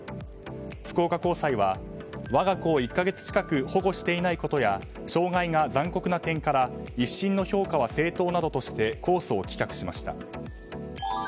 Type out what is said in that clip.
福岡高裁は我が子を１か月近く保護していないことや傷害が残酷な点から１審の評価は正当などとして公訴を棄却しました。